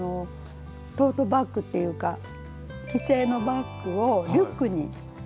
トートバッグっていうか既製のバッグをリュックに仕立て直したんです。